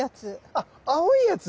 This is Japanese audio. あっ青いやつ？